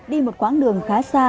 đi một quãng đường khá xa